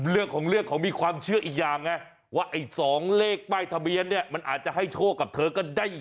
เรื่องของเรื่องของมีความเชื่ออีกอย่างไงว่าไอ้๒เลขป้ายทะเบียนเนี่ยมันอาจจะให้โชคกับเธอก็ได้